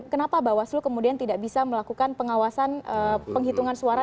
kenapa bawaslu kemudian tidak bisa melakukan pengawasan penghitungan suara